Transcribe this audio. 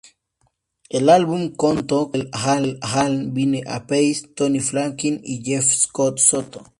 El album contó con Russell Allen, Vinny Appice, Tony Franklin y Jeff Scott Soto.